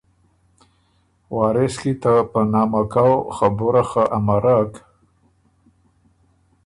وارث کی ته په نامه کؤ خبُره خه امرک